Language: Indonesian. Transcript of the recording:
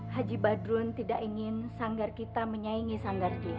haji badrun tidak ingin sanggar kita menyaingi sanggar dia